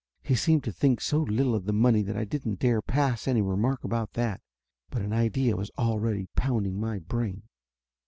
He seemed to think so little of the money that I didn't dare pass any remark about that. But an idea was already pounding my brain.